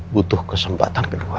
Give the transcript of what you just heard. butuh kesempatan kedua